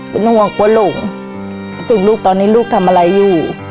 เป็นห่วงกลัวหลงคิดถึงลูกตอนนี้ลูกทำอะไรอยู่